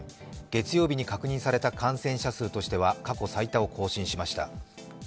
月曜日に確認された感染者数としては、過去最多を更新しました。